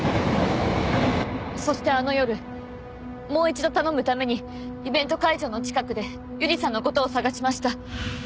そしてあの夜もう一度頼むためにイベント会場の近くで優里さんの事を探しました。